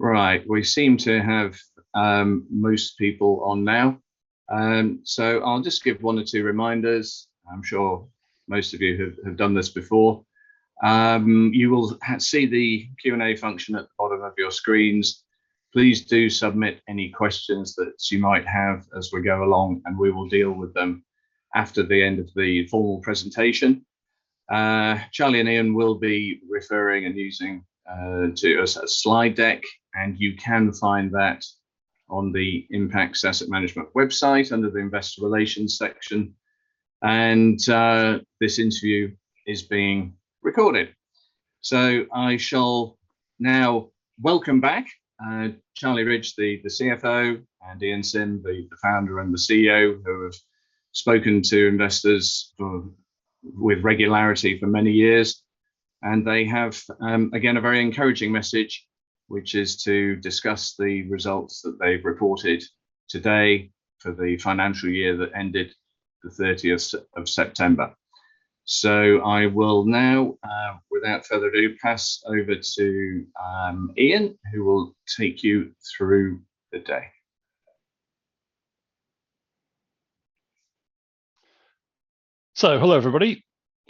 Right. We seem to have most people on now. I'll just give one or two reminders. I'm sure most of you have done this before. You will see the Q&A function at the bottom of your screens. Please do submit any questions that you might have as we go along, and we will deal with them after the end of the formal presentation. Charlie and Ian will be referring to and using a slide deck, and you can find that on the Impax Asset Management website under the Investor Relations section. This interview is being recorded. I shall now welcome back Charlie Ridge, the CFO, and Ian Simm, the Founder and the CEO, who have spoken to investors with regularity for many years. They have, again, a very encouraging message, which is to discuss the results that they've reported today for the financial year that ended the 30th of September. I will now, without further ado, pass over to Ian, who will take you through the day. Hello, everybody.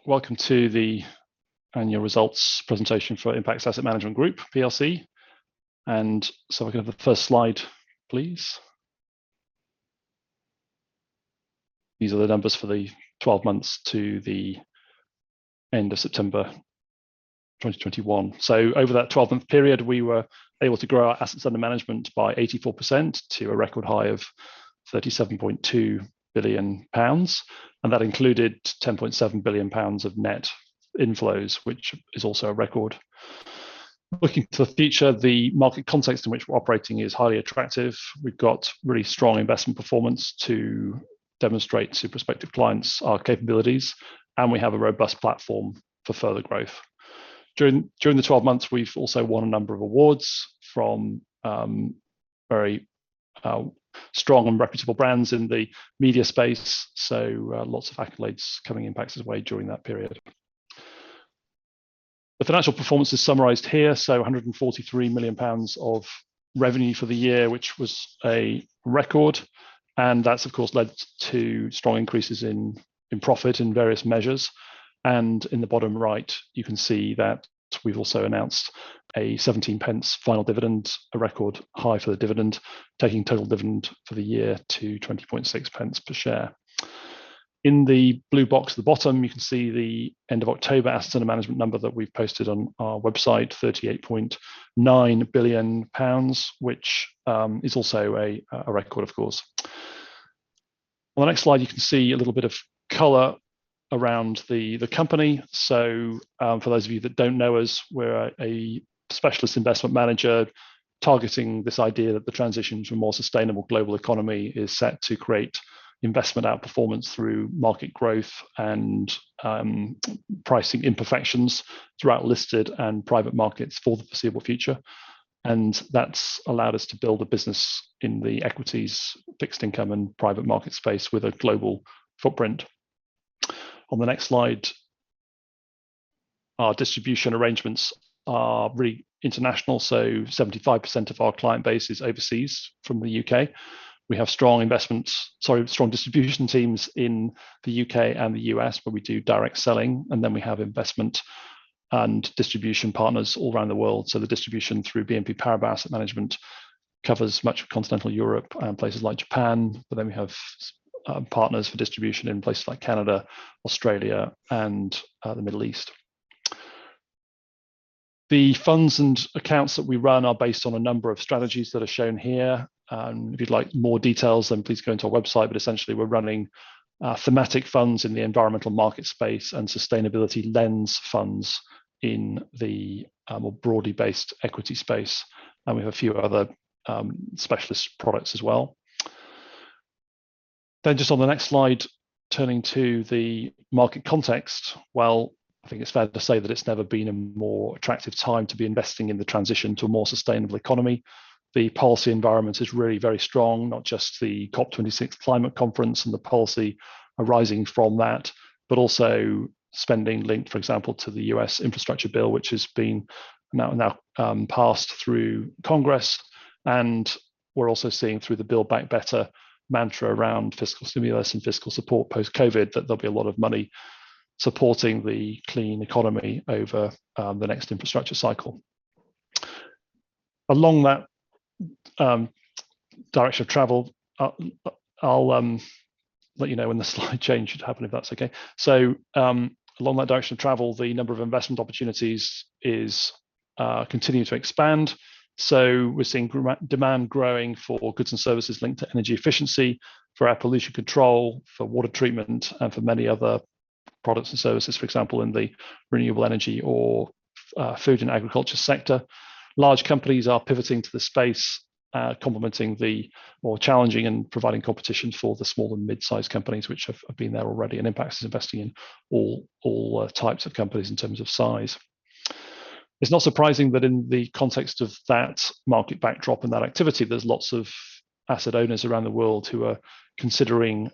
Welcome to the annual results presentation for Impax Asset Management Group plc. If I can have the first slide, please. These are the numbers for the 12 months to the end of September 2021. Over that 12-month period, we were able to grow our assets under management by 84% to a record high of 37.2 billion pounds, and that included 10.7 billion pounds of net inflows, which is also a record. Looking to the future, the market context in which we're operating is highly attractive. We've got really strong investment performance to demonstrate to prospective clients our capabilities, and we have a robust platform for further growth. During the 12 months, we've also won a number of awards from very strong and reputable brands in the media space, lots of accolades coming Impax's way during that period. The financial performance is summarized here, 143 million pounds of revenue for the year, which was a record. That's, of course, led to strong increases in profit in various measures. In the bottom right, you can see that we've also announced a 0.17 final dividend, a record high for the dividend, taking total dividend for the year to 0.206 per share. In the blue box at the bottom, you can see the end of October assets under management number that we've posted on our website, 38.9 billion pounds, which is also a record, of course. On the next slide, you can see a little bit of color around the company. For those of you that don't know us, we're a specialist investment manager targeting this idea that the transition to a more sustainable global economy is set to create investment outperformance through market growth and pricing imperfections throughout listed and private markets for the foreseeable future. That's allowed us to build a business in the equities, fixed income, and private market space with a global footprint. On the next slide, our distribution arrangements are really international, so 75% of our client base is overseas from the U.K. We have strong distribution teams in the U.K. and the U.S., where we do direct selling, and then we have investment and distribution partners all around the world. The distribution through BNP Paribas Asset Management covers much of Continental Europe and places like Japan. We have partners for distribution in places like Canada, Australia, and the Middle East. The funds and accounts that we run are based on a number of strategies that are shown here. If you'd like more details, then please go onto our website. Essentially, we're running thematic funds in the environmental market space and sustainability lens funds in the more broadly based equity space. We have a few other specialist products as well. Just on the next slide, turning to the market context. Well, I think it's fair to say that it's never been a more attractive time to be investing in the transition to a more sustainable economy. The policy environment is really very strong, not just the COP26 climate conference and the policy arising from that, but also spending linked, for example, to the U.S. infrastructure bill, which has been passed through Congress. We're also seeing through the Build Back Better mantra around fiscal stimulus and fiscal support post-COVID that there'll be a lot of money supporting the clean economy over the next infrastructure cycle. Along that direction of travel, I'll let you know when the slide change should happen, if that's okay. Along that direction of travel, the number of investment opportunities is continuing to expand. We're seeing demand growing for goods and services linked to energy efficiency, for air pollution control, for water treatment, and for many other products and services, for example, in the renewable energy or food and agriculture sector. Large companies are pivoting to the space, complementing the more challenging and providing competition for the small and mid-sized companies which have been there already, and Impax is investing in all types of companies in terms of size. It's not surprising that in the context of that market backdrop and that activity, there's lots of asset owners around the world who are considering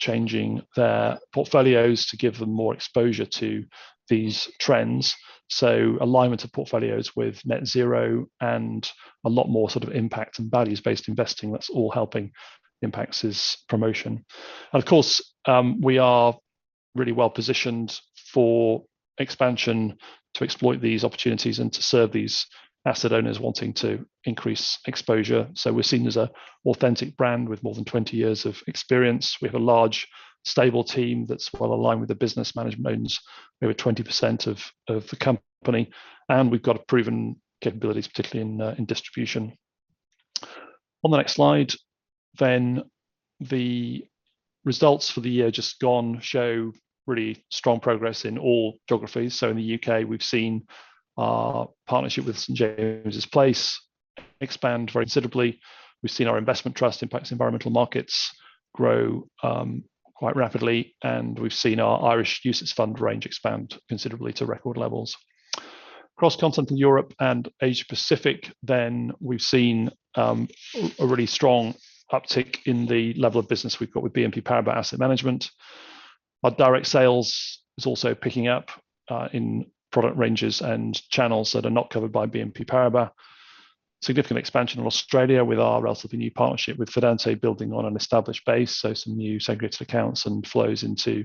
changing their portfolios to give them more exposure to these trends. Alignment of portfolios with net zero and a lot more sort of impact and values-based investing, that's all helping Impax's promotion. Of course, we are really well-positioned for expansion to exploit these opportunities and to serve these asset owners wanting to increase exposure. We're seen as an authentic brand with more than 20 years of experience. We have a large, stable team that's well-aligned with the business management owners. We have a 20% of the company, and we've got proven capabilities, particularly in distribution. On the next slide, the results for the year just gone show really strong progress in all geographies. In the U.K., we've seen our partnership with St. James's Place expand very considerably. We've seen our investment trust Impax Environmental Markets grow quite rapidly, and we've seen our Irish UCITS fund range expand considerably to record levels. Across Continental Europe and Asia Pacific, we've seen a really strong uptick in the level of business we've got with BNP Paribas Asset Management. Our direct sales is also picking up in product ranges and channels that are not covered by BNP Paribas. Significant expansion in Australia with our relatively new partnership with Fidante building on an established base, so some new segregated accounts and flows into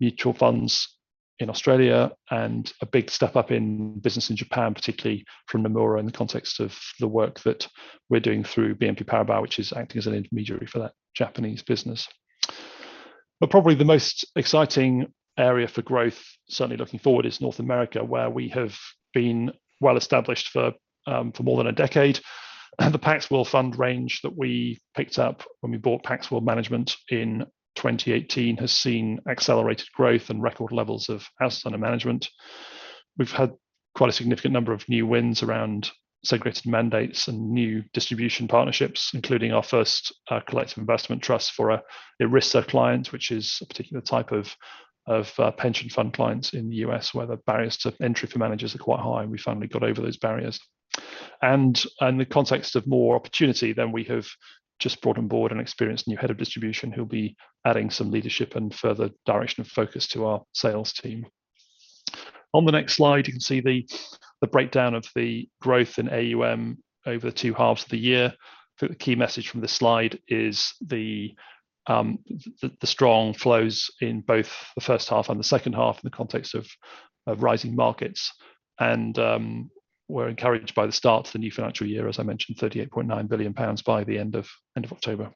mutual funds in Australia. A big step up in business in Japan, particularly from Nomura in the context of the work that we're doing through BNP Paribas, which is acting as an intermediary for that Japanese business. Probably the most exciting area for growth, certainly looking forward, is North America, where we have been well established for more than a decade. The Pax World fund range that we picked up when we bought Pax World Management in 2018 has seen accelerated growth and record levels of Assets Under Management. We've had quite a significant number of new wins around segregated mandates and new distribution partnerships, including our first collective investment trust for a ERISA client, which is a particular type of pension fund clients in the U.S. where the barriers to entry for managers are quite high, and we finally got over those barriers. In the context of more opportunity than we have just brought on board an experienced new head of distribution, who'll be adding some leadership and further direction of focus to our sales team. On the next slide, you can see the breakdown of the growth in AUM over the two halves of the year. I think the key message from this slide is the strong flows in both the first half and the second half in the context of rising markets. We're encouraged by the start to the new financial year, as I mentioned, 38.9 billion pounds by the end of October.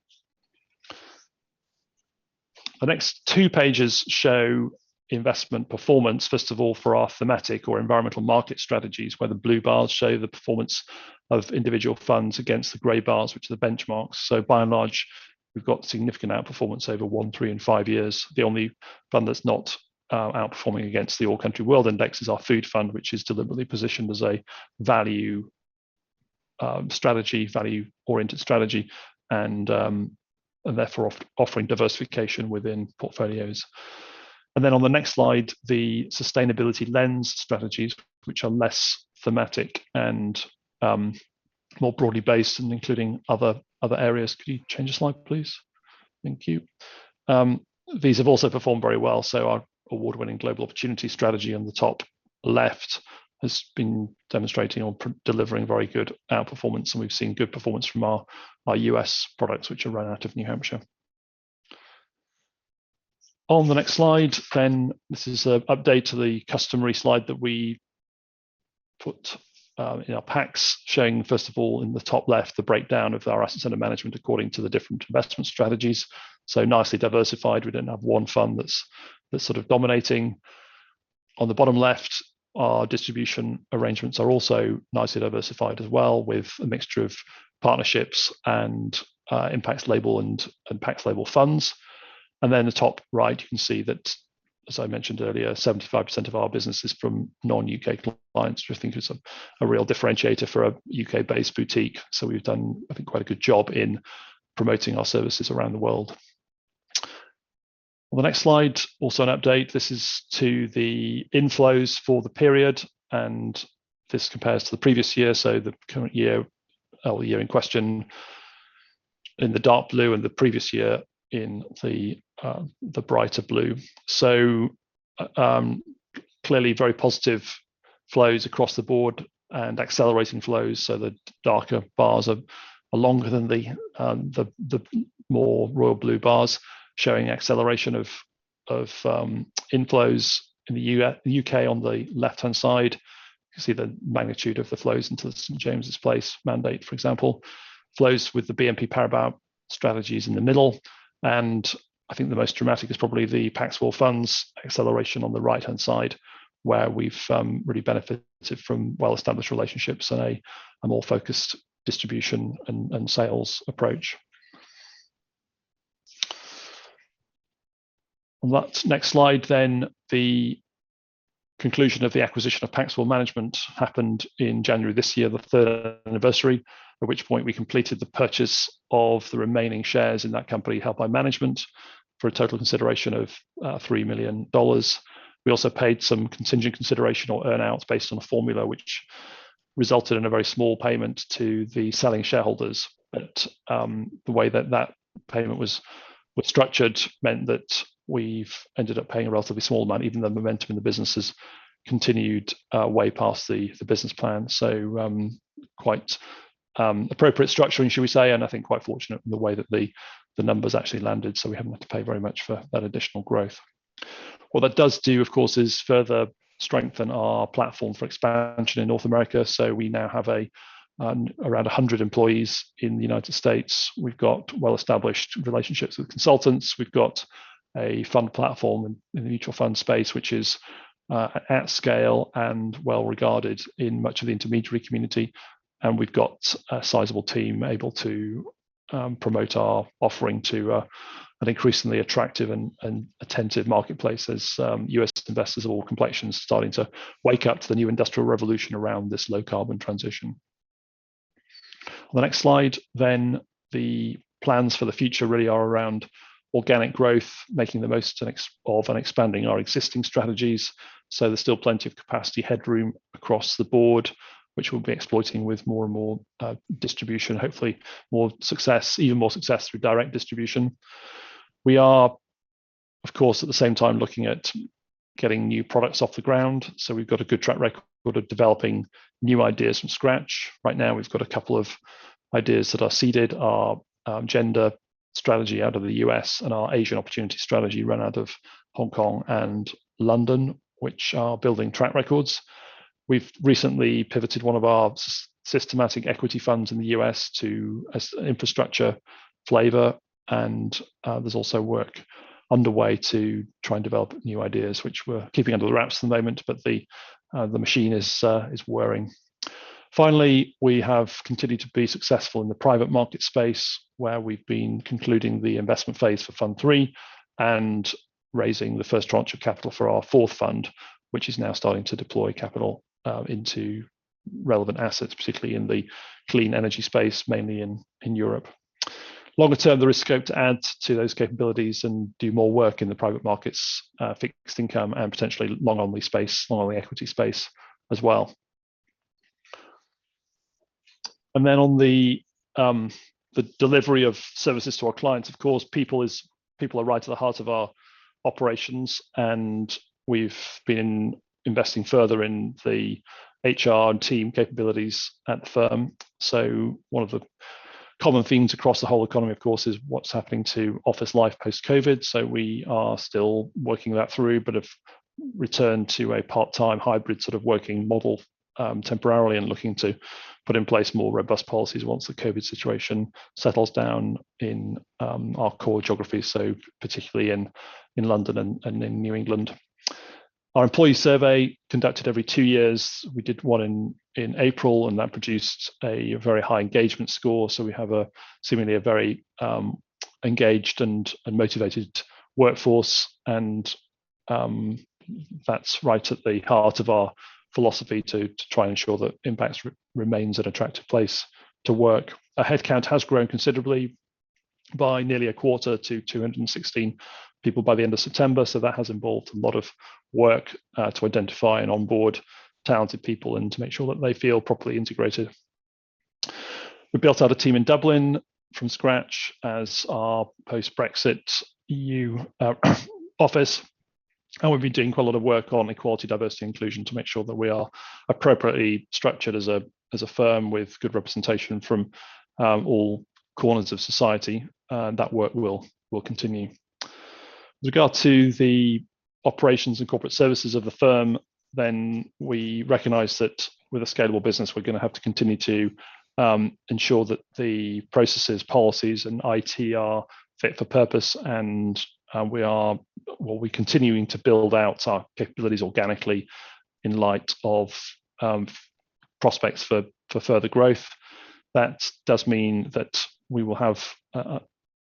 The next two pages show investment performance, first of all for our thematic or environmental market strategies, where the blue bars show the performance of individual funds against the gray bars, which are the benchmarks. By and large, we've got significant outperformance over one, three and five years. The only fund that's not outperforming against the All Country World Index is our food fund, which is deliberately positioned as a value strategy, value-oriented strategy and therefore offering diversification within portfolios. On the next slide, the sustainability lens strategies, which are less thematic and more broadly based and including other areas. Could you change the slide, please? Thank you. These have also performed very well. Our award-winning Global Opportunities Strategy on the top left has been demonstrating on delivering very good outperformance. We've seen good performance from our U.S. products which are run out of New Hampshire. On the next slide then, this is an update to the customary slide that we put in our packs showing, first of all, in the top left, the breakdown of our assets under management according to the different investment strategies. Nicely diversified. We don't have one fund that's sort of dominating. On the bottom left, our distribution arrangements are also nicely diversified as well, with a mixture of partnerships and Impax label and Pax label funds. Then the top right, you can see that, as I mentioned earlier, 75% of our business is from non-U.K. clients, which I think is a real differentiator for a U.K.-based boutique. We've done, I think, quite a good job in promoting our services around the world. On the next slide, also an update. This is to the inflows for the period, and this compares to the previous year. The current year, or the year in question in the dark blue and the previous year in the brighter blue. Clearly very positive flows across the board and accelerating flows. The darker bars are longer than the more royal blue bars showing acceleration of inflows in the U.K. on the left-hand side. You can see the magnitude of the flows into the St. James's Place mandate, for example. Flows with the BNP Paribas strategies in the middle. I think the most dramatic is probably the Pax World funds acceleration on the right-hand side, where we've really benefited from well-established relationships and a more focused distribution and sales approach. On that next slide, the conclusion of the acquisition of Pax World Management happened in January this year, the third anniversary, at which point we completed the purchase of the remaining shares in that company held by management for a total consideration of $3 million. We also paid some contingent consideration or earn-outs based on a formula which resulted in a very small payment to the selling shareholders. The way that payment was structured meant that we've ended up paying a relatively small amount, even though momentum in the business has continued way past the business plan. Quite appropriate structuring, should we say, and I think quite fortunate in the way that the numbers actually landed, so we haven't had to pay very much for that additional growth. What that does do, of course, is further strengthen our platform for expansion in North America. We now have around 100 employees in the United States. We've got well-established relationships with consultants. We've got a fund platform in the mutual fund space which is at scale and well-regarded in much of the intermediary community. We've got a sizable team able to promote our offering to an increasingly attractive and attentive marketplace as U.S. investors of all complexions starting to wake up to the new industrial revolution around this low carbon transition. On the next slide, the plans for the future really are around organic growth, making the most of and expanding our existing strategies. There's still plenty of capacity headroom across the board, which we'll be exploiting with more and more distribution, hopefully more success, even more success through direct distribution. We are, of course, at the same time looking at getting new products off the ground. We've got a good track record of developing new ideas from scratch. Right now we've got a couple of ideas that are seeded, our gender strategy out of the U.S. and our Asian Opportunities Strategy run out of Hong Kong and London, which are building track records. We've recently pivoted one of our systematic equity funds in the U.S. to infrastructure flavor. There's also work underway to try and develop new ideas, which we're keeping under wraps at the moment, but the machine is whirring. Finally, we have continued to be successful in the private markets space, where we've been concluding the investment phase for Fund III and raising the first tranche of capital for our fourth fund, which is now starting to deploy capital into relevant assets, particularly in the clean energy space, mainly in Europe. Longer term, there is scope to add to those capabilities and do more work in the private markets, fixed income and potentially long-only space, long-only equity space as well. Then on the delivery of services to our clients, of course, people are right to the heart of our operations, and we've been investing further in the HR and team capabilities at the firm. One of the common themes across the whole economy, of course, is what's happening to office life post-COVID. We are still working that through, but have returned to a part-time hybrid sort of working model, temporarily and looking to put in place more robust policies once the COVID situation settles down in our core geography, so particularly in London and in New England. Our employee survey conducted every two years, we did one in April, and that produced a very high engagement score. We have a seemingly very engaged and motivated workforce and that's right at the heart of our philosophy to try and ensure that Impax's remains an attractive place to work. Our headcount has grown considerably by nearly a quarter to 216 people by the end of September, so that has involved a lot of work to identify and onboard talented people and to make sure that they feel properly integrated. We built out a team in Dublin from scratch as our post-Brexit E.U. office, and we've been doing quite a lot of work on equality, diversity, and inclusion to make sure that we are appropriately structured as a firm with good representation from all corners of society. That work will continue. With regard to the operations and corporate services of the firm, we recognize that with a scalable business, we're gonna have to continue to ensure that the processes, policies, and IT are fit for purpose. While we're continuing to build out our capabilities organically in light of prospects for further growth. That does mean that we will have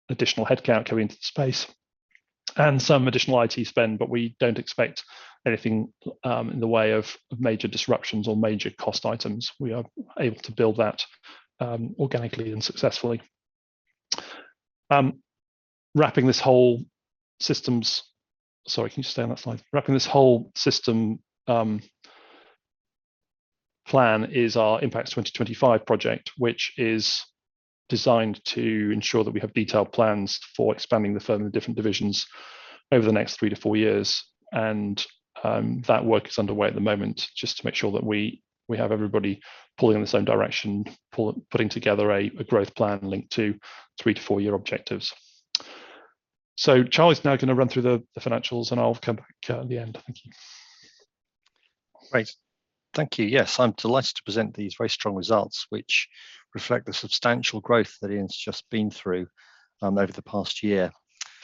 additional headcount coming into the space and some additional IT spend, but we don't expect anything in the way of major disruptions or major cost items. We are able to build that organically and successfully. Wrapping this whole system plan is our Impax 2025 project, which is designed to ensure that we have detailed plans for expanding the firm in different divisions over the next three to four years. That work is underway at the moment just to make sure that we have everybody pulling in the same direction, putting together a growth plan linked to three-to-four year objectives. Charlie is now gonna run through the financials, and I'll come back at the end. Thank you. Great. Thank you. Yes, I'm delighted to present these very strong results, which reflect the substantial growth that Ian's just been through over the past year.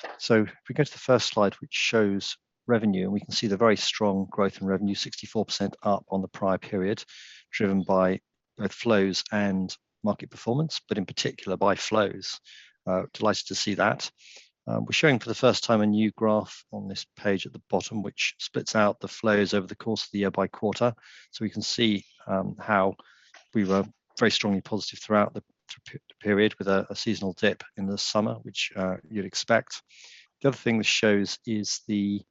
If we go to the first slide, which shows revenue, and we can see the very strong growth in revenue, 64% up on the prior period, driven by both flows and market performance, but in particular by flows. Delighted to see that. We're showing for the first time a new graph on this page at the bottom, which splits out the flows over the course of the year by quarter. We can see how we were very strongly positive throughout the period with a seasonal dip in the summer, which you'd expect. The other thing this shows is the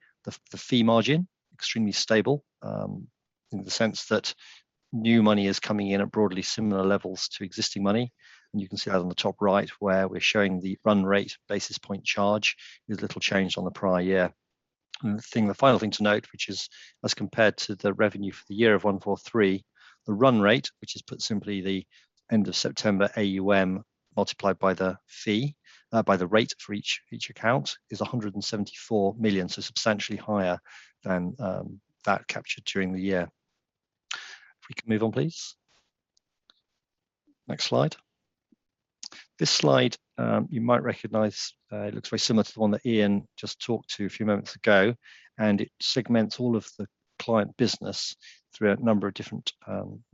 fee margin, extremely stable. In the sense that new money is coming in at broadly similar levels to existing money, and you can see that on the top right where we're showing the run rate basis point charge is little changed on the prior year. The thing, the final thing to note, which is as compared to the revenue for the year of 143 million, the run rate, which is put simply the end of September AUM multiplied by the fee, by the rate for each account, is 174 million. Substantially higher than that captured during the year. If we can move on, please. Next slide. This slide, you might recognize, it looks very similar to the one that Ian just talked to a few moments ago, and it segments all of the client business through a number of different,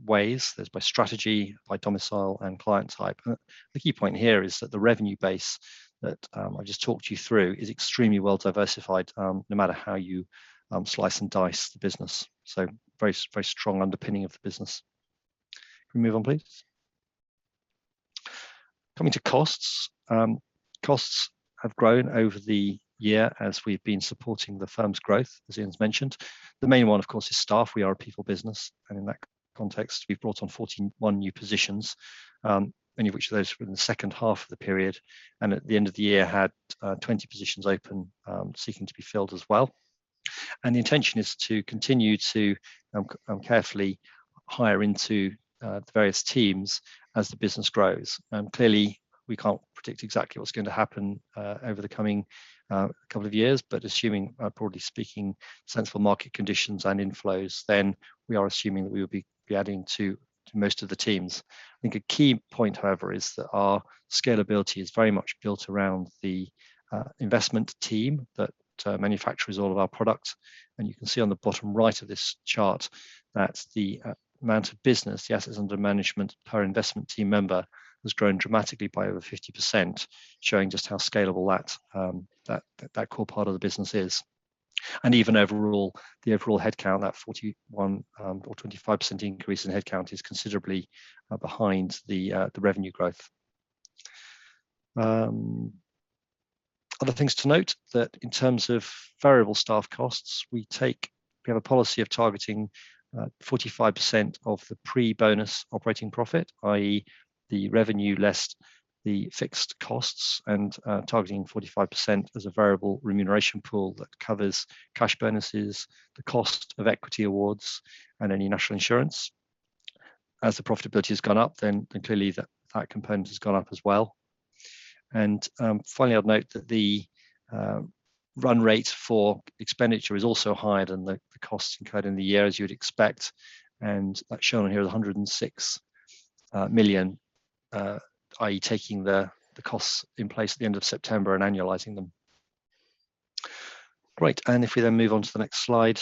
ways. There's by strategy, by domicile, and client type. The key point here is that the revenue base that, I just talked you through is extremely well-diversified, no matter how you, slice and dice the business. Very, very strong underpinning of the business. Can we move on, please? Coming to costs. Costs have grown over the year as we've been supporting the firm's growth, as Ian's mentioned. The main one, of course, is staff. We are a people business, and in that context, we've brought on 41 new positions, many of which of those were in the second half of the period. At the end of the year, we had 20 positions open, seeking to be filled as well. The intention is to continue to carefully hire into the various teams as the business grows. Clearly, we can't predict exactly what's going to happen over the coming couple of years, but assuming broadly speaking sensible market conditions and inflows, then we are assuming that we'll be adding to most of the teams. I think a key point, however, is that our scalability is very much built around the investment team that manufactures all of our products. You can see on the bottom right of this chart that the amount of business, the assets under management per investment team member, has grown dramatically by over 50%, showing just how scalable that core part of the business is. Even overall, the overall headcount, that 41% or 25% increase in headcount is considerably behind the revenue growth. Other things to note that in terms of variable staff costs, we have a policy of targeting 45% of the pre-bonus operating profit, i.e. the revenue less the fixed costs, and targeting 45% as a variable remuneration pool that covers cash bonuses, the cost of equity awards, and any national insurance. As the profitability has gone up, then clearly that component has gone up as well. Finally, I'd note that the run rate for expenditure is also higher than the costs incurred in the year, as you'd expect, and that's shown here at 106 million. I.e., taking the costs in place at the end of September and annualizing them. Great. If we then move on to the next slide.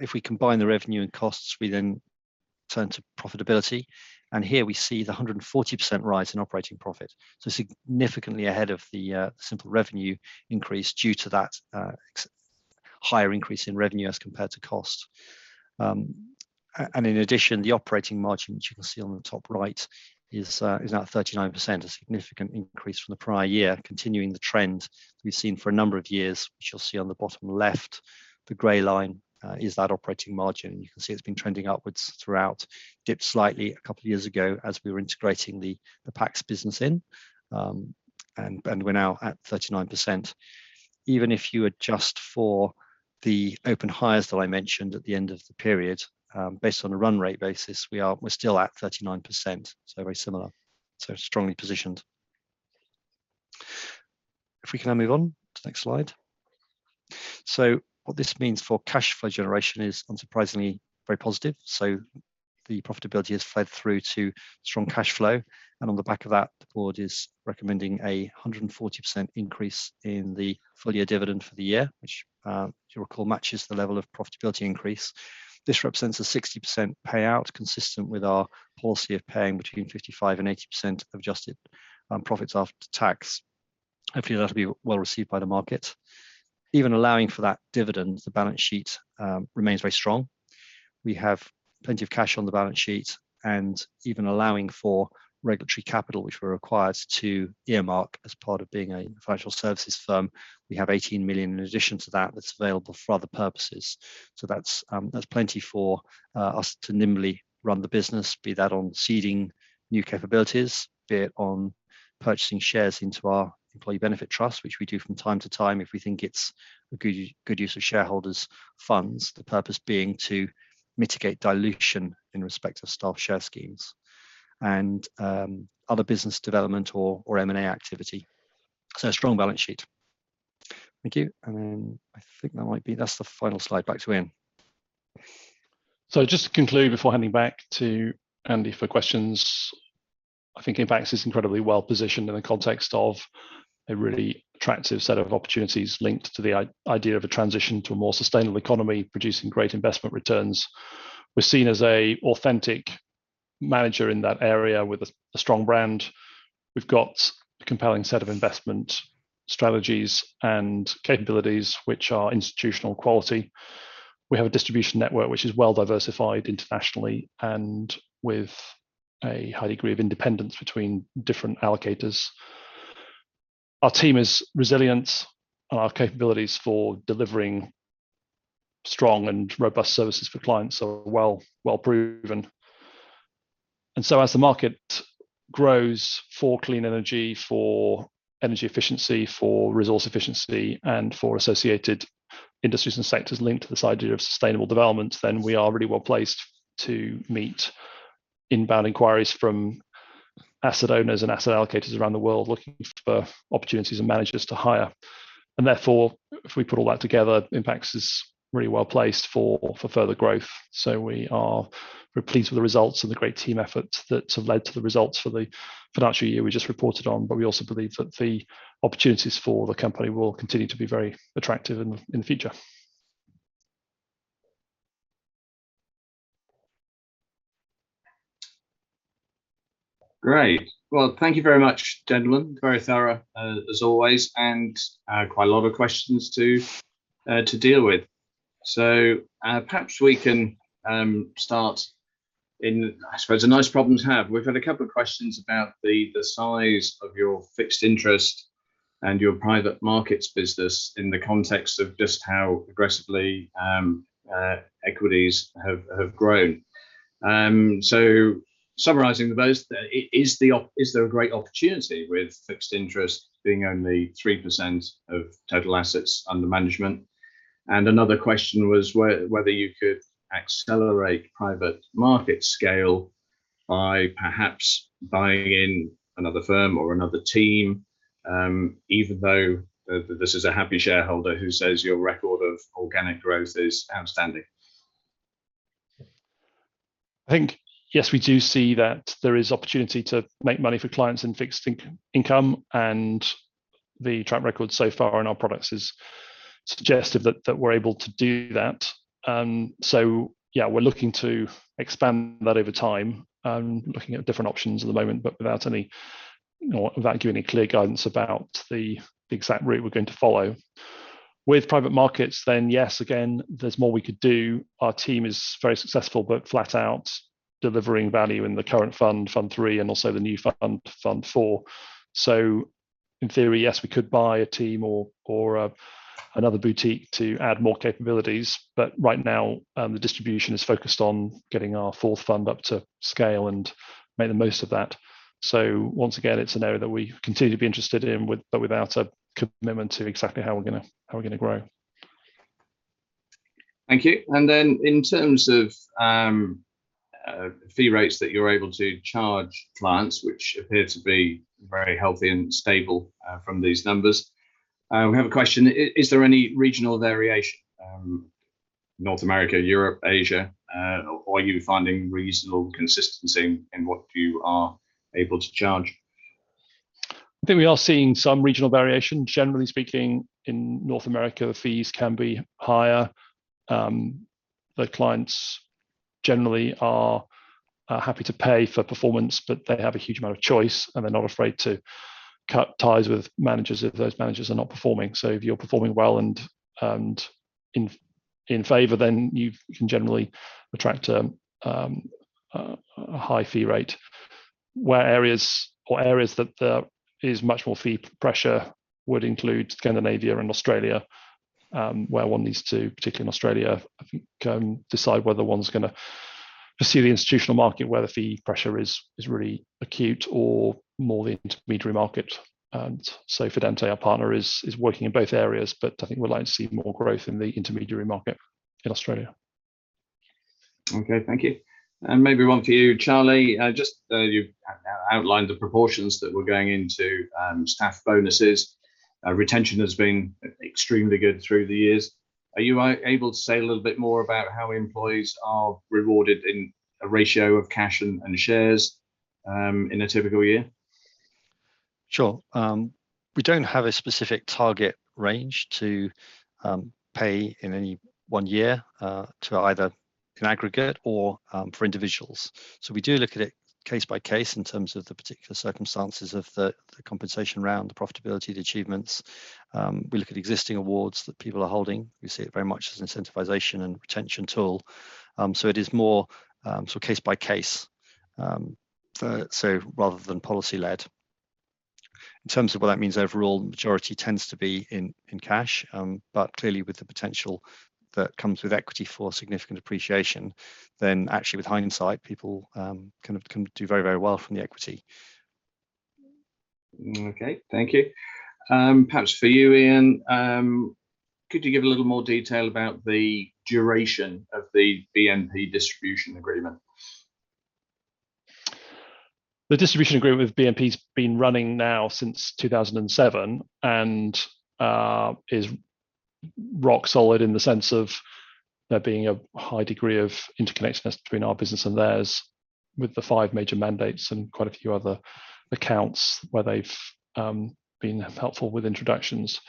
If we combine the revenue and costs, we then turn to profitability. Here we see the 140% rise in operating profit. Significantly ahead of the simple revenue increase due to that higher increase in revenue as compared to cost. In addition, the operating margin, which you can see on the top right, is now at 39%, a significant increase from the prior year, continuing the trend that we've seen for a number of years. Which you'll see on the bottom left, the gray line, is that operating margin, and you can see it's been trending upwards throughout. Dipped slightly a couple of years ago as we were integrating the Pax business in, and we're now at 39%. Even if you adjust for the open hires that I mentioned at the end of the period, based on a run rate basis, we're still at 39%, so very similar. Strongly positioned. If we can now move on to the next slide. What this means for cash flow generation is unsurprisingly very positive. The profitability has fed through to strong cash flow. On the back of that, the board is recommending a 140% increase in the full-year dividend for the year, which, as you'll recall, matches the level of profitability increase. This represents a 60% payout consistent with our policy of paying between 55%-80% of adjusted profits after tax. Hopefully, that'll be well-received by the market. Even allowing for that dividend, the balance sheet remains very strong. We have plenty of cash on the balance sheet, and even allowing for regulatory capital, which we're required to earmark as part of being a financial services firm, we have 18 million in addition to that's available for other purposes. That's plenty for us to nimbly run the business, be that on seeding new capabilities, be it on purchasing shares into our Employee Benefit Trust, which we do from time to time if we think it's a good use of shareholders' funds. The purpose being to mitigate dilution in respect of staff share schemes and other business development or M&A activity. A strong balance sheet. Thank you. I think that might be that's the final slide. Back to Ian. Just to conclude before handing back to Andy for questions, I think Impax is incredibly well-positioned in the context of a really attractive set of opportunities linked to the idea of a transition to a more sustainable economy, producing great investment returns. We're seen as an authentic manager in that area with a strong brand. We've got a compelling set of investment strategies and capabilities which are institutional quality. We have a distribution network which is well-diversified internationally and with a high degree of independence between different allocators. Our team is resilient and our capabilities for delivering strong and robust services for clients are well proven. As the market grows for clean energy, for energy efficiency, for resource efficiency, and for associated industries and sectors linked to this idea of sustainable development, then we are really well placed to meet inbound inquiries from asset owners and asset allocators around the world looking for opportunities and managers to hire. If we put all that together, Impax is really well placed for further growth. We are pleased with the results and the great team efforts that have led to the results for the financial year we just reported on. We also believe that the opportunities for the company will continue to be very attractive in the future. Great. Well, thank you very much, gentlemen. Very thorough, as always, and quite a lot of questions to deal with. Perhaps we can start in, I suppose a nice problem to have. We've had a couple of questions about the size of your fixed income and your private markets business in the context of just how aggressively equities have grown. Summarizing those, is there a great opportunity with fixed income being only 3% of total assets under management? And another question was whether you could accelerate private markets scale by perhaps buying in another firm or another team, even though this is a happy shareholder who says your record of organic growth is outstanding. I think, yes, we do see that there is opportunity to make money for clients in fixed income, and the track record so far in our products is suggestive that that we're able to do that. Yeah, we're looking to expand that over time. Looking at different options at the moment, but without any, you know, without giving any clear guidance about the exact route we're going to follow. With private markets then yes, again, there's more we could do. Our team is very successful, but flat out delivering value in the current Fund III, and also the new Fund IV. In theory, yes, we could buy a team or another boutique to add more capabilities. Right now, the distribution is focused on getting our fourth fund up to scale and make the most of that. Once again, it's an area that we continue to be interested in with, but without a commitment to exactly how we're gonna grow. Thank you. In terms of fee rates that you're able to charge clients, which appear to be very healthy and stable from these numbers, we have a question. Is there any regional variation, North America, Europe, Asia? Are you finding regional consistency in what you are able to charge? I think we are seeing some regional variation. Generally speaking, in North America fees can be higher. The clients generally are happy to pay for performance, but they have a huge amount of choice and they're not afraid to cut ties with managers if those managers are not performing. So if you're performing well and in favor, then you can generally attract a high fee rate. Areas that there is much more fee pressure would include Scandinavia and Australia, where one needs to, particularly in Australia, I think, decide whether one's gonna pursue the institutional market where the fee pressure is really acute or more the intermediary market. Fidante, our partner is working in both areas, but I think we'd like to see more growth in the intermediary market in Australia. Okay. Thank you. Maybe one for you, Charlie. Just, you've outlined the proportions that were going into, staff bonuses. Retention has been extremely good through the years. Are you able to say a little bit more about how employees are rewarded in a ratio of cash and shares, in a typical year? Sure. We don't have a specific target range to pay in any one year to either in aggregate or for individuals. We do look at it case by case in terms of the particular circumstances of the compensation round, the profitability, the achievements. We look at existing awards that people are holding. We see it very much as an incentivization and retention tool. It is more sort of case by case. Rather than policy led. In terms of what that means overall, the majority tends to be in cash. Clearly with the potential that comes with equity for significant appreciation, then actually with hindsight, people kind of can do very, very well from the equity. Okay. Thank you. Perhaps for you, Ian, could you give a little more detail about the duration of the BNP distribution agreement? The distribution agreement with BNP has been running now since 2007 and is rock solid in the sense of there being a high degree of interconnectedness between our business and theirs with the five major mandates and quite a few other accounts where they've been helpful with introductions.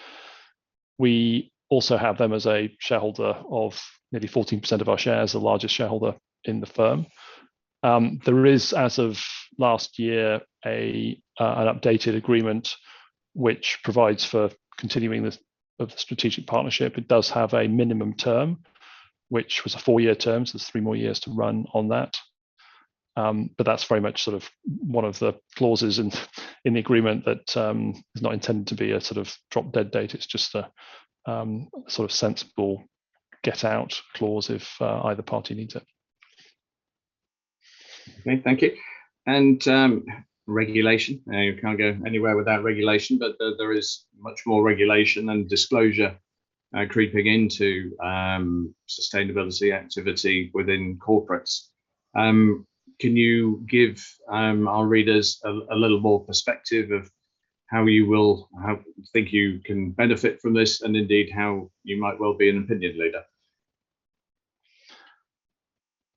We also have them as a shareholder of maybe 14% of our shares, the largest shareholder in the firm. There is, as of last year, an updated agreement which provides for continuing the strategic partnership. It does have a minimum term, which was a four-year term, so there's three more years to run on that. But that's very much sort of one of the clauses in the agreement that is not intended to be a sort of drop dead date. It's just a sort of sensible get out clause if either party needs it. Okay, thank you. Regulation. Now you can't go anywhere without regulation, but there is much more regulation and disclosure creeping into sustainability activity within corporates. Can you give our readers a little more perspective of how you think you can benefit from this, and indeed how you might well be an opinion leader?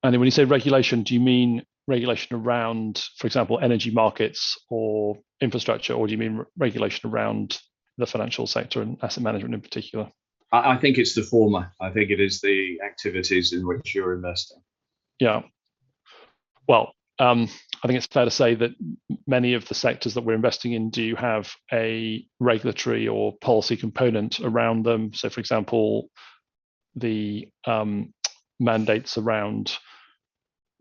When you say regulation, do you mean regulation around, for example, energy markets or infrastructure? Or do you mean regulation around the financial sector and asset management in particular? I think it's the former. I think it is the activities in which you're investing. Well, I think it's fair to say that many of the sectors that we're investing in do have a regulatory or policy component around them. For example, the mandates around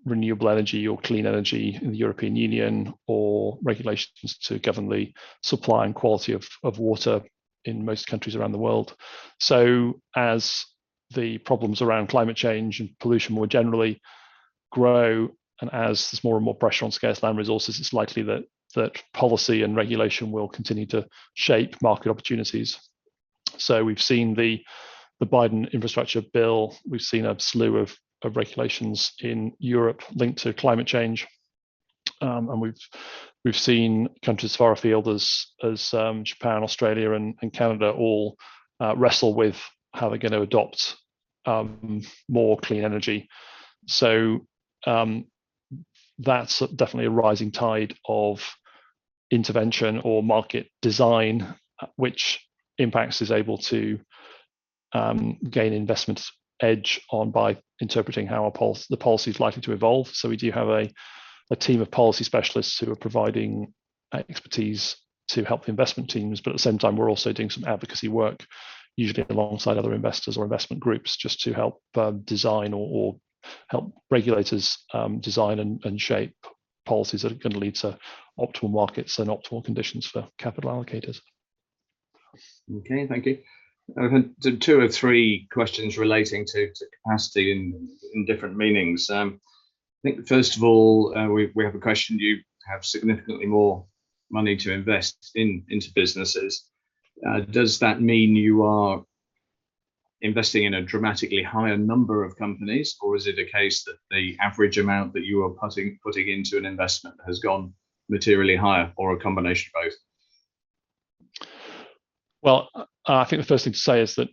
renewable energy or clean energy in the European, or regulations to govern the supply and quality of water in most countries around the world. As the problems around climate change and pollution more generally grow, and as there's more and more pressure on scarce land resources, it's likely that policy and regulation will continue to shape market opportunities. We've seen the Biden infrastructure bill, we've seen a slew of regulations in Europe linked to climate change. And we've seen countries as far afield as Japan, Australia and Canada all wrestle with how they're gonna adopt more clean energy. That's definitely a rising tide of intervention or market design, which Impax is able to gain investment edge on by interpreting how the policy is likely to evolve. We do have a team of policy specialists who are providing expertise to help the investment teams. At the same time, we're also doing some advocacy work, usually alongside other investors or investment groups, just to help design or help regulators design and shape policies that are gonna lead to optimal markets and optimal conditions for capital allocators. Okay. Thank you. I've had two or three questions relating to capacity in different meanings. I think first of all, we have a question, you have significantly more money to invest into businesses. Does that mean you are investing in a dramatically higher number of companies, or is it a case that the average amount that you are putting into an investment has gone materially higher or a combination of both? Well, I think the first thing to say is that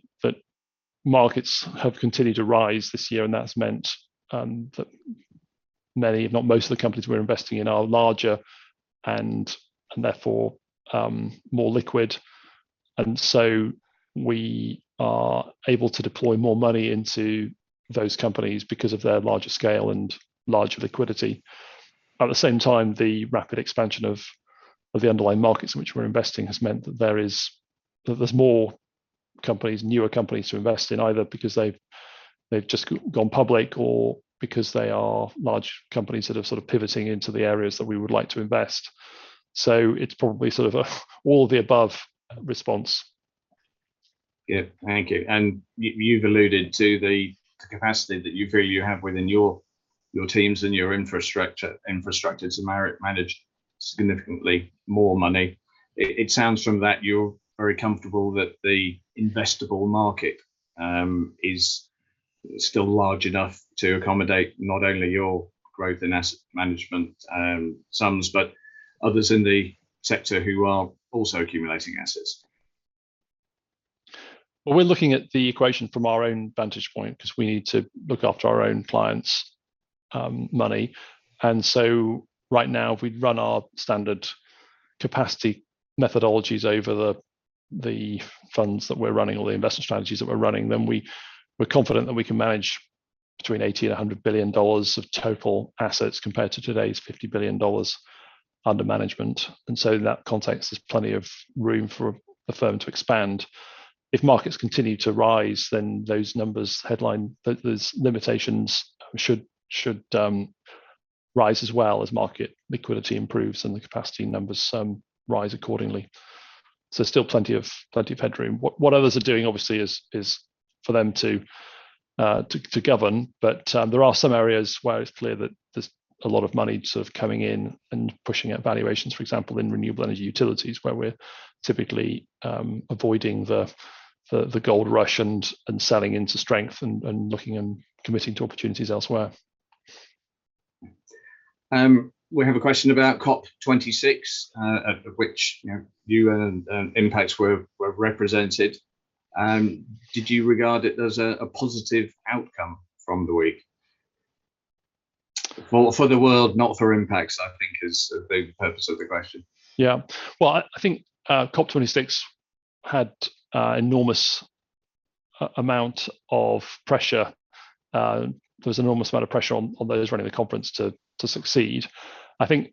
markets have continued to rise this year, and that's meant that many, if not most of the companies we're investing in are larger and therefore more liquid. We are able to deploy more money into those companies because of their larger scale and larger liquidity. At the same time, the rapid expansion of the underlying markets in which we're investing has meant that there's more companies, newer companies to invest in, either because they've just gone public or because they are large companies that are sort of pivoting into the areas that we would like to invest. It's probably sort of a all the above response. Yeah. Thank you. You've alluded to the capacity that you feel you have within your teams and your infrastructure to manage significantly more money. It sounds from that you're very comfortable that the investable market is still large enough to accommodate not only your growth in asset management sums, but others in the sector who are also accumulating assets. Well, we're looking at the equation from our own vantage point 'cause we need to look after our own clients' money. Right now, if we run our standard capacity methodologies over the funds that we're running or the investment strategies that we're running, then we're confident that we can manage between $80 billion and $100 billion of total assets compared to today's $50 billion under management. In that context, there's plenty of room for the firm to expand. If markets continue to rise, then those numbers, those limitations should rise as well as market liquidity improves and the capacity numbers rise accordingly. Still plenty of headroom. What others are doing obviously is for them to govern, but there are some areas where it's clear that there's a lot of money sort of coming in and pushing out valuations, for example, in renewable energy utilities, where we're typically avoiding the gold rush and selling into strength and looking and committing to opportunities elsewhere. We have a question about COP26, at which, you know, you and Impax were represented. Did you regard it as a positive outcome from the week? For the world, not for Impax, I think is the purpose of the question. Yeah. Well, I think COP26 had an enormous amount of pressure. There was an enormous amount of pressure on those running the conference to succeed. I think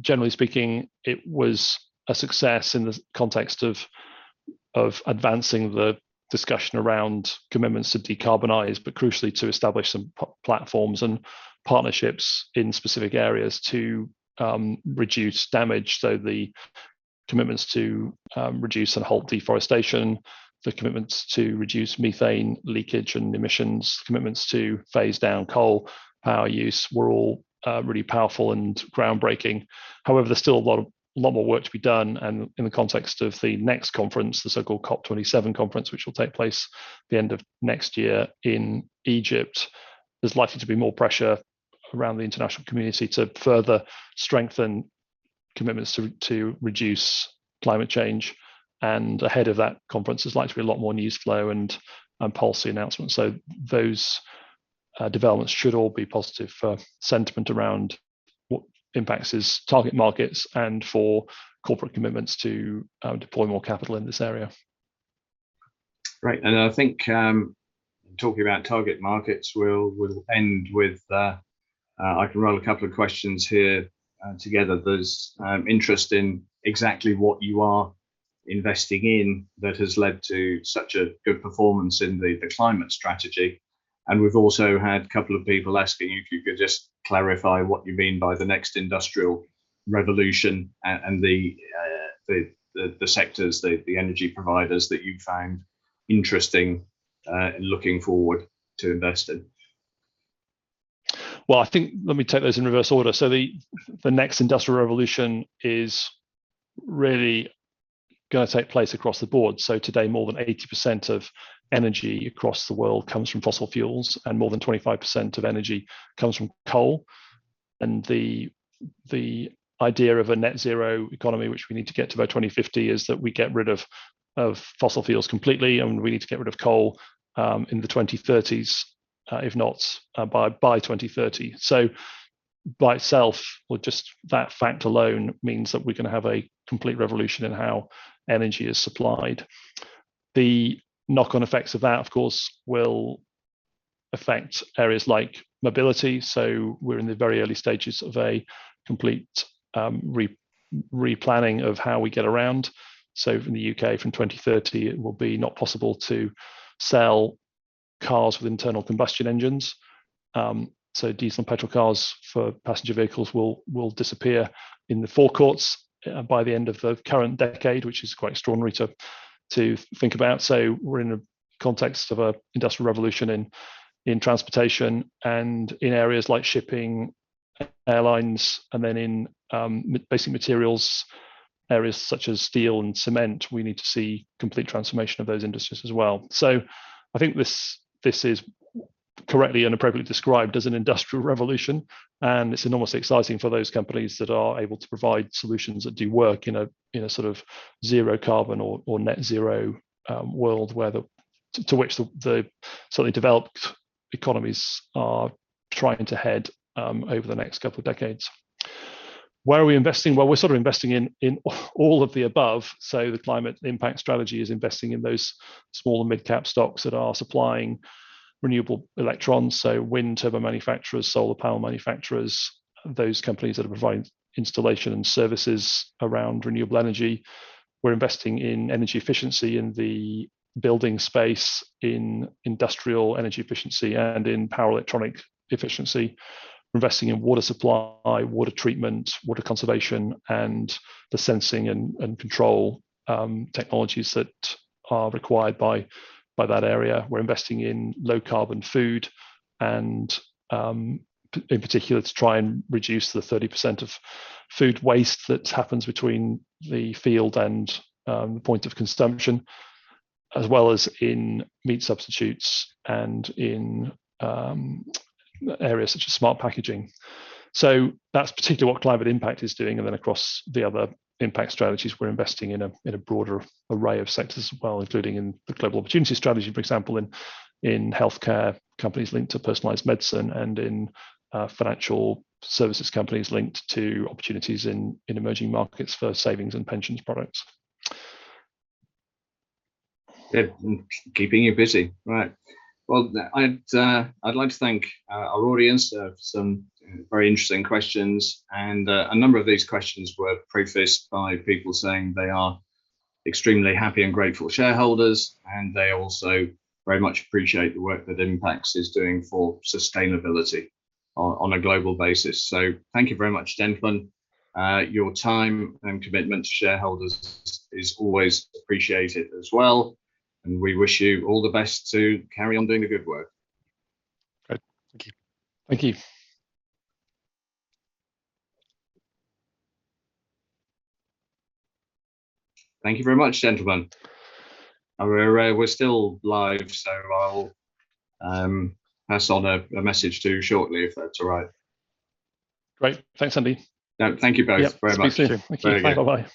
generally speaking it was a success in the context of advancing the discussion around commitments to decarbonize, but crucially to establish some platforms and partnerships in specific areas to reduce damage. The commitments to reduce and halt deforestation, the commitments to reduce methane leakage and emissions, commitments to phase down coal power use were all really powerful and groundbreaking. However, there's still a lot more work to be done. In the context of the next conference, the so-called COP27 conference, which will take place at the end of next year in Egypt, there's likely to be more pressure around the international community to further strengthen commitments to reduce climate change. Ahead of that conference, there's likely to be a lot more news flow and policy announcements. Those developments should all be positive for sentiment around what Impax's target markets and for corporate commitments to deploy more capital in this area. Right. I think talking about target markets, we'll end with I can roll a couple of questions here together. There's interest in exactly what you are investing in that has led to such a good performance in the Climate strategy. We've also had a couple of people asking if you could just clarify what you mean by the next industrial revolution and the sectors, the energy providers that you've found interesting looking forward to invest in. Well, I think let me take those in reverse order. The next industrial revolution is really gonna take place across the board. Today, more than 80% of energy across the world comes from fossil fuels, and more than 25% of energy comes from coal. The idea of a net zero economy, which we need to get to by 2050, is that we get rid of fossil fuels completely, and we need to get rid of coal in the 2030s, if not by 2030. By itself or just that fact alone means that we're gonna have a complete revolution in how energy is supplied. The knock-on effects of that, of course, will affect areas like mobility, so we're in the very early stages of a complete replanning of how we get around. From the U.K., from 2030, it will be not possible to sell cars with internal combustion engines. Diesel and petrol cars for passenger vehicles will disappear in the forecourts by the end of the current decade, which is quite extraordinary to think about. We're in a context of an industrial revolution in transportation and in areas like shipping, airlines, and then in basic materials areas such as steel and cement. We need to see complete transformation of those industries as well. I think this is correctly and appropriately described as an industrial revolution, and it's enormously exciting for those companies that are able to provide solutions that do work in a sort of zero carbon or net zero world to which the sort of developed economies are trying to head over the next couple of decades. Where are we investing? Well, we're investing in all of the above. The Climate Impact strategy is investing in those small and midcap stocks that are supplying renewable electrons, so wind turbine manufacturers, solar power manufacturers, those companies that are providing installation and services around renewable energy. We're investing in energy efficiency in the building space, in industrial energy efficiency, and in power electronic efficiency. We're investing in water supply, water treatment, water conservation, and the sensing and control technologies that are required by that area. We're investing in low carbon food and in particular to try and reduce the 30% of food waste that happens between the field and point of consumption, as well as in meat substitutes and in areas such as smart packaging. That's particularly what Climate Impact is doing. Then across the other impact strategies, we're investing in a broader array of sectors as well, including in the Global Opportunities Strategy, for example, in healthcare companies linked to personalized medicine and in financial services companies linked to opportunities in emerging markets for savings and pensions products. Yeah. Keeping you busy. Right. Well, I'd like to thank our audience. They have some very interesting questions, and a number of these questions were prefaced by people saying they are extremely happy and grateful shareholders, and they also very much appreciate the work that Impax is doing for sustainability on a global basis. Thank you very much, gentlemen. Your time and commitment to shareholders is always appreciated as well, and we wish you all the best to carry on doing the good work. Great. Thank you. Thank you. Thank you very much, gentlemen. We're still live, so I'll pass on a message to you shortly if that's all right. Great. Thanks, Andy. No, thank you both very much. Yeah. Speak soon. Thank you. Thank you. Bye-bye.